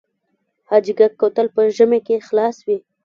حاجي ګک کوتل په ژمي کې خلاص وي؟